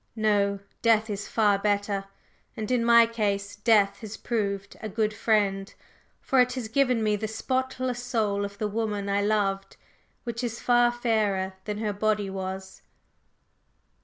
No, Death is far better; and in my case Death has proved a good friend, for it has given me the spotless soul of the woman I loved, which is far fairer than her body was."